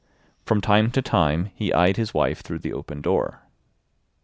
From time to time he eyed his wife through the open door.